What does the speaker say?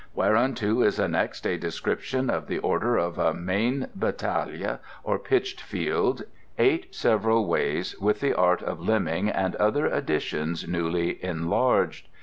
Wherunto is annexed a Description of the order of a Maine Battaile or Pitched Field, eight severall wayes, with the Art of Limming and other Additions newly Enlarged.